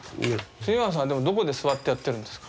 村さんでもどこで座ってやってるんですか？